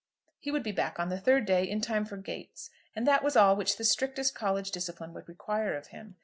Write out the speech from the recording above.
He would be back on the third day, in time for "gates"; and that was all which the strictest college discipline would require of him.